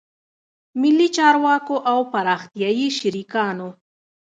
ملي چارواکو او پراختیایي شریکانو